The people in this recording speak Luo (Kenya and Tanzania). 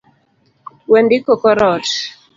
Wendiko kor ot